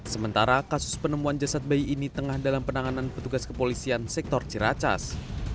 sementara kasus penemuan jasad bayi ini tengah dalam penanganan petugas kepolisian sektor ciracas